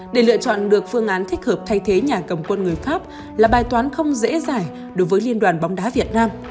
để lựa chọn được phương án thích hợp thay thế nhà cầm quân người pháp là bài toán không dễ dàng đối với liên đoàn bóng đá việt nam